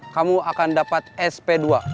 kamu akan dapat sp dua